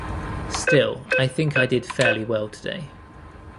Still, I think I did fairly well today.